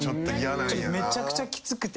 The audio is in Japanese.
めちゃくちゃきつくて仕事。